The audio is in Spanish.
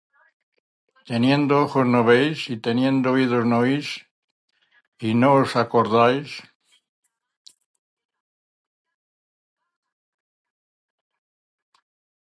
¿Teniendo ojos no veis, y teniendo oídos no oís? ¿y no os acordáis?